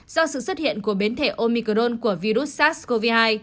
do sự xuất hiện của biến thể omicron của virus sars cov hai